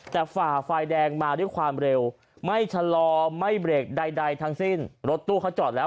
แต่ฝ่าไฟแดงมาด้วยความเร็วไม่ชะลอไม่เบรกใดทั้งสิ้นรถตู้เขาจอดแล้ว